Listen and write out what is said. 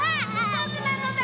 ぼくなのだ！